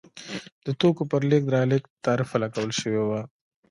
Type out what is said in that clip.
د توکو پر لېږد رالېږد تعرفه لګول شوې وه.